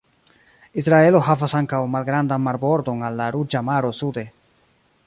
Israelo havas ankaŭ malgrandan marbordon al la Ruĝa Maro sude.